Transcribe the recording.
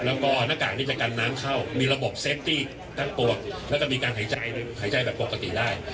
แล้วก็หน้ากากนี้จะกันน้ำเข้ามีระบบเซฟตี้ทั้งตัวแล้วก็มีการหายใจหายใจแบบปกติได้